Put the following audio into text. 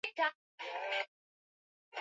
ya shaka wanayaona maonyo hayo ya sasa